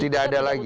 tidak ada lagi